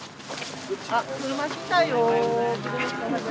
あっ車来たよ。